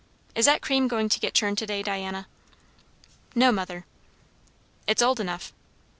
Is that cream going to get churned to day, Diana?" "No, mother." "It's old enough."